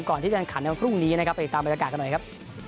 ก่อนที่จะขันในวันพรุ่งนี้นะครับไปติดตามบรรยากาศกันหน่อยครับ